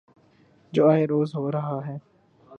جو آئے روز ہو رہا ہے۔